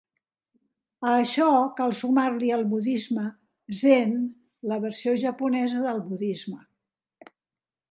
A això cal sumar-li el budisme zen, la versió japonesa del budisme.